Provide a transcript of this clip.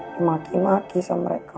dimaki maki sama mereka